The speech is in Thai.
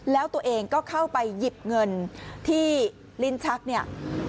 แล้วตัวเองก็เข้าไปหยิบเงินที่ลิ้นชักเนี่ย